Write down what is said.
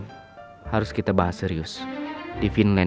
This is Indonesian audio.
glaube akan be suksesnya suivre our content